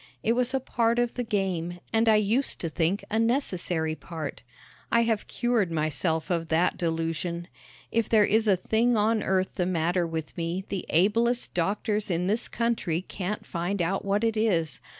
It was a part of the game and I used to think a necessary part. I have cured myself of that delusion. If there is a thing on earth the matter with me the ablest doctors in this country can't find out what it is.